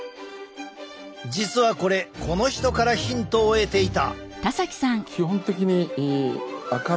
実はこれこの人からヒントを得ていた。